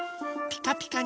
ピカピカ！